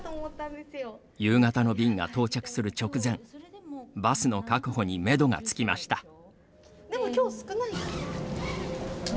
夕方の便が到着する直前バスの確保にめどがつきました。